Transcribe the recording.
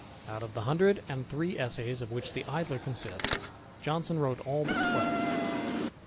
Out of the hun *^ and three essays of which the Idler consists, Johnson wrote all ^* twelve.